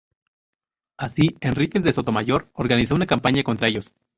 Así, Enríquez de Sotomayor organizó una campaña contra ellos.